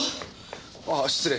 ああ失礼。